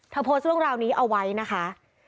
โพสต์เรื่องราวนี้เอาไว้นะคะ